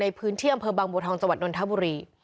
ในพื้นเที่ยมเผอร์บังบูทองสวัสดิ์นนทบุรี